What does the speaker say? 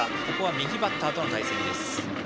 右バッターとの対戦です。